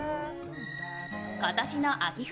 今年の秋冬